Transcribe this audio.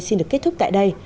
xin được kết thúc tại đây